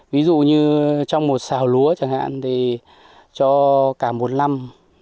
ví dụ như trong một xào lúa chẳng hạn thì cho cả một năm